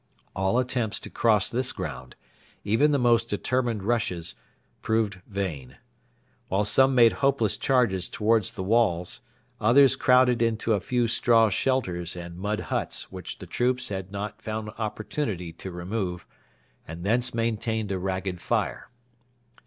All attempts to cross this ground even the most determined rushes proved vain. While some made hopeless charges towards the walls, others crowded into a few straw shelters and mud huts which the troops had not found opportunity to remove, and thence maintained a ragged fire.